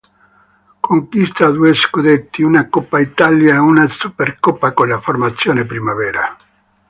Conquista due scudetti, una Coppa Italia e una Supercoppa con la formazione Primavera.